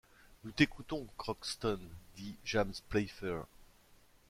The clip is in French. Nous t’écoutons, Crockston, dit James Playfair.